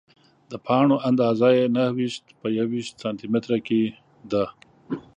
د پاڼو اندازه یې نهه ویشت په یوویشت سانتي متره کې ده.